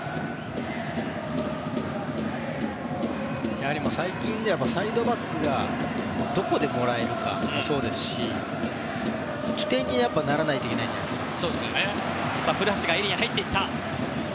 やはり最近ではサイドバックがどこでもらえるかもそうですし起点にならないといけないじゃないですか。